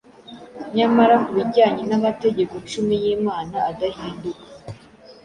Nyamara ku bijyanye n’amategeko cumi y’Imana adahinduka,